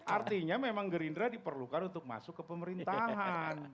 artinya memang gerindra diperlukan untuk masuk ke pemerintahan